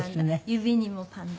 指にもパンダ。